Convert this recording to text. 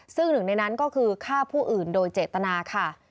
ซึ่งหนึ่งในนั้นก็คือฆ่าผู้อื่นโดยเจตนาค่ะ